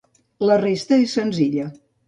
La resta és senzilla.